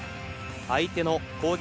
相手の攻撃